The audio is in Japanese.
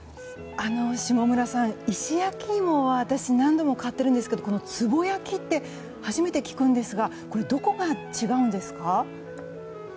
下村さん、石焼き芋は私何度も買っているんですがこのつぼ焼きって初めて聞くんですがこれ、どこが違うんですか？